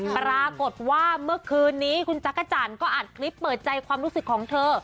ปรากฏว่าเมื่อคืนนี้คุณจักรจันทร์ก็อัดคลิปเปิดใจความรู้สึกของเธอ